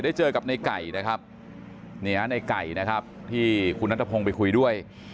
ได้เจอกับในไก่นะครับที่คุณนัทพงศ์ไปคุยด้วย